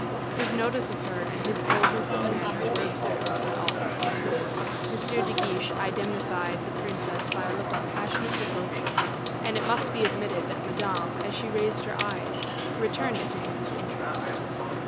His notice of her and his coldness of manner were observed by all. M. de Guiche indemnified the princess by a look of passionate devotion, and it must be admitted that Madame, as she raised her eyes, returned it to him with interest.